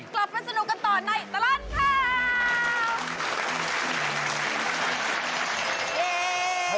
กลับมาสนุกกันต่อในตลอดข่าว